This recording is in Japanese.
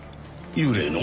幽霊の？